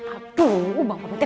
ada yang kehilangan handphone